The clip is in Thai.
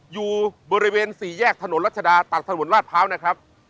อยู่บริเวณสี่แยกถนนรัชดาตักถนนลาดพร้าวนะครับ